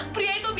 pria itu bijaya